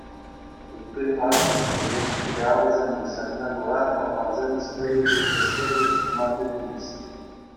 Ытти аслӑ шкулсен филиалӗсем те, ҫакна кура, пӑлхарсен историйӗпе кӗске курс тума тытӑнчӗҫ.